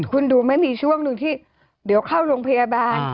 คุณดูมันมีช่วงดูที่เดี๋ยวเข้าโรงพยาบาล